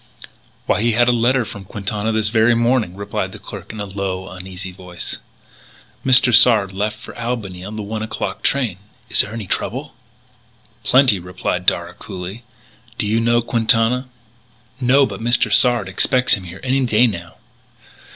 "Why, he had a letter from Quintana this very morning," replied the clerk in a low, uneasy voice. "Mr. Sard left for Albany on the one o'clock train. Is there any trouble?" "Plenty," replied Darragh coolly; "do you know Quintana?" "No. But Mr. Sard expects him here any day now."